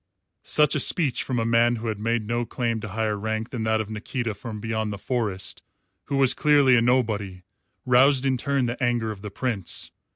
Such a speech from a man who had made no claim to higher rank than that of Nikita from beyond the Forest, who was clearly a nobody, roused in turn the anger of the Prince.